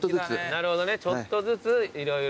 なるほどねちょっとずつ色々。